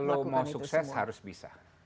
kalau mau sukses harus bisa